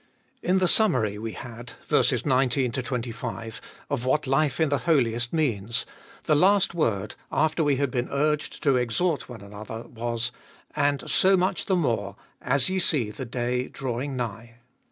IN the summary we had (19 25) of what life in the Holiest means, the last word, after we had been urged to exhort one another, was : And so much the more as ye see the day draw ing nigh.